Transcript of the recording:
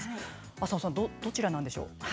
浅尾さんどちらなんでしょう？